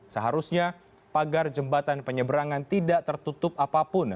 seharusnya pagar jembatan penyeberangan tidak tertutup apapun